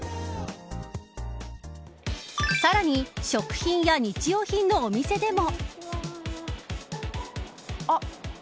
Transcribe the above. さらに食品や日用品のお店でも。